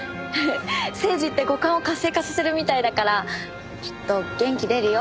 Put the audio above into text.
セージって五感を活性化させるみたいだからきっと元気出るよ。